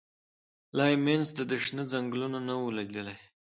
لا یې منځ د شنه ځنګله نه وو لیدلی